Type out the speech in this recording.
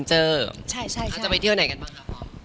ใช่ใช่จะไปเที่ยวไหนกันบ้างครับ